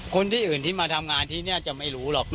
คนที่อื่นที่มาทำงานที่นี่จะไม่รู้หรอก